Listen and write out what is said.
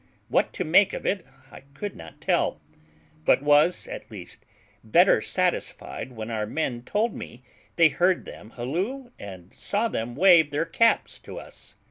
What to make of it I could not tell, but was at least better satisfied when our men told me they heard them halloo and saw them wave their caps to us.